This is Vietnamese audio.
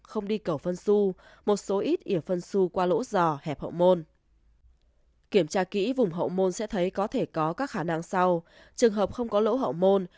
không đi cầu phân su một số ít ỉa phân su qua lỗ giò hẹp hậu môn